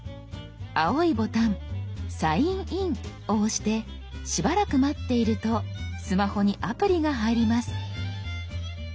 青いボタン「サインイン」を押してしばらく待っているとスマホにアプリが入ります。